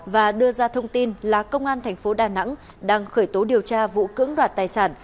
và đưa ra thông tin là công an thành phố đà nẵng đang khởi tố điều tra vụ cưỡng đoạt tài sản